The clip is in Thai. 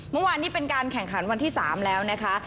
เมื่อวานนี้เป็นการแข่งขันวันที่๓แล้วนะคะ